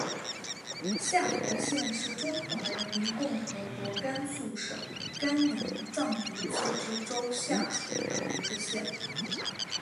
夏河县是中华人民共和国甘肃省甘南藏族自治州下属的一个县。